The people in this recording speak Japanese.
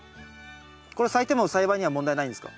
これ咲いても栽培には問題ないんですか？